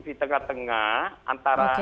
di tengah tengah antara